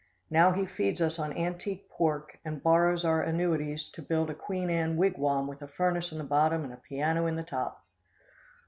Now he feeds us on antique pork, and borrows our annuities to build a Queen Anne wigwam with a furnace in the bottom and a piano in the top.